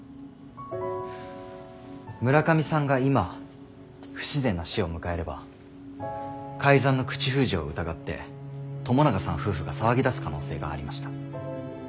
村上さんが今不自然な死を迎えれば改ざんの口封じを疑って友永さん夫婦が騒ぎだす可能性がありました。